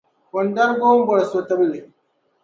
O ni dargi o ni bɔri so tibli.